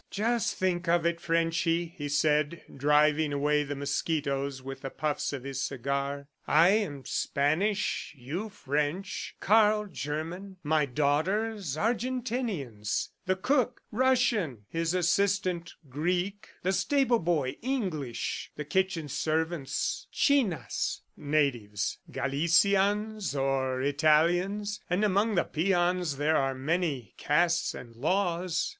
"Just think of it, Frenchy," he said, driving away the mosquitoes with the puffs of his cigar. "I am Spanish, you French, Karl German, my daughters Argentinians, the cook Russian, his assistant Greek, the stable boy English, the kitchen servants Chinas (natives), Galicians or Italians, and among the peons there are many castes and laws.